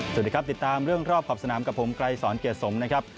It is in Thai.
สวัสดีครับติดตามเรื่องรอบขอบสนามกับผมไกรสอนเกียรติสมนะครับ